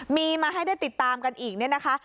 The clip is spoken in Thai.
มีมาให้ได้ติดตามกันอีกเนี่ยนะคะ